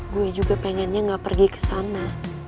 gue juga pengennya gak pergi kesana